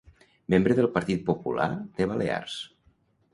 Membre del Partit Popular de Balears.